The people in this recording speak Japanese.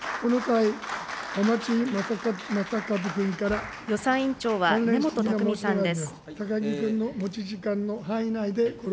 この際、予算委員長は根本匠さんです。